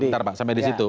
sebentar pak sampai disitu